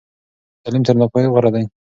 تعلیم تر ناپوهۍ غوره دی.